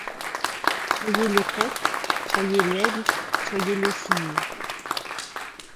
Soyez lè coq, soyez l'aigle, soyez le cygne